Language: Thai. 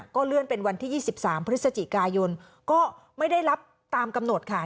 ก็เลื่อนเป็นวันที่๒๓พฤศจิกายนก็ไม่ได้รับตามกำหนดค่ะ